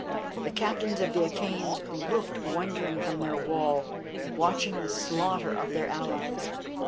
The Captains of the Achæans looked wondering from their wall, watching the slaughter of their allies.